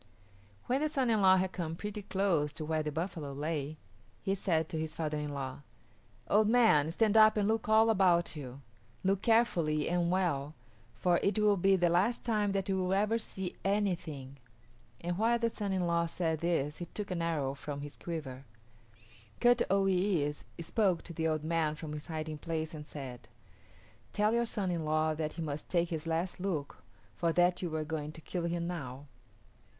When the son in law had come pretty close to where the buffalo lay he said to his father in law, "Old man, stand up and look all about you. Look carefully and well, for it will be the last time that you will ever see anything"; and while the son in law said this he took an arrow from his quiver. Kut o yis´ spoke to the old man from his hiding place and said, "Tell your son in law that he must take his last look, for that you are going to kill him now."